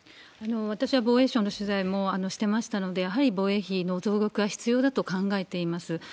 私は防衛省の取材もしてましたので、やはり防衛費の増額は必要だと考えています。